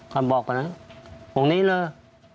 ก็บอกเขานะตรงนี้เลย